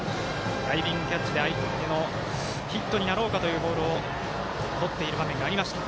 ダイビングキャッチでヒットになろうかというボールをとっている場面がありました。